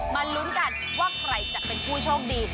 ลุ้นกันว่าใครจะเป็นผู้โชคดี